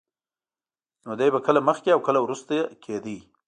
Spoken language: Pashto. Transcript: نو دی به کله مخکې او کله وروسته کېده.